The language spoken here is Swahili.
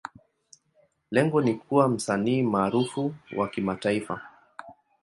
Lengo ni kuwa msanii maarufu wa kimataifa.